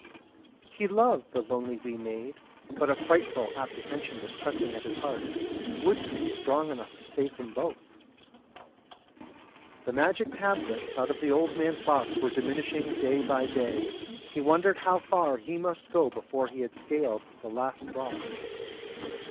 He loved the lonely wee maid, but a frightful apprehension was pressing at his heart would he be strong enough to save them both? The magic tablets out of the old man's box were diminishing day by day. He wondered how far he still must go before he had scaled the last rock.